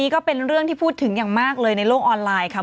ก็เป็นเรื่องที่พูดถึงอย่างมากเลยในโลกออนไลน์ค่ะ